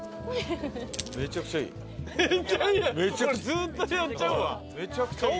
ずっとやっちゃうわ。